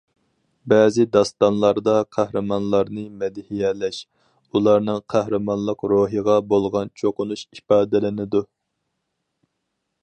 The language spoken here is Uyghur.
بەزى داستانلاردا قەھرىمانلارنى مەدھىيەلەش، ئۇلارنىڭ قەھرىمانلىق روھىغا بولغان چوقۇنۇش ئىپادىلىنىدۇ.